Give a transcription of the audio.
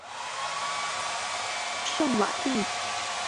圣瓦利耶德蒂耶伊人口变化图示